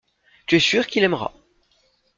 Tu es sûr qu’il aimera.